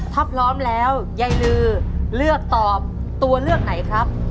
ถ้าพร้อมแล้วยายลือเลือกตอบตัวเลือกไหนครับ